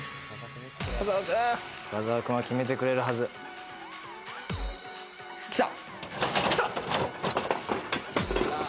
深澤くんは決めてくれるはず。来た！